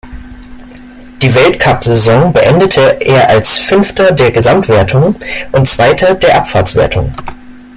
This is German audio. Die Weltcupsaison beendete er als Fünfter der Gesamtwertung und Zweiter der Abfahrtswertung.